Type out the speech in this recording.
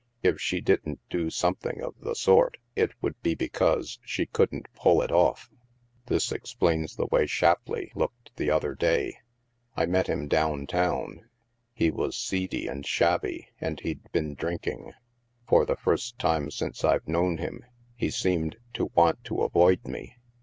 If she didn't do something of the sort, it would be because she couldn't pull it off. This explains the way Shapleigh looked the other day. I met him down town. He was seedy and shabby, and he'd been drinking. For the first time since I've known him, he seemed to want to avoid me.